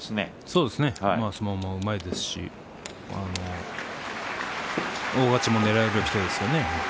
そうですね相撲もうまいですし大勝ちもねらえる人ですよね。